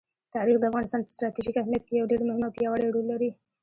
تاریخ د افغانستان په ستراتیژیک اهمیت کې یو ډېر مهم او پیاوړی رول لري.